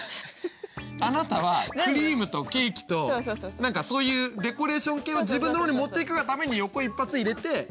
あなたはクリームとケーキと何かそういうデコレーション系は自分の方に持っていくがために横一発入れて。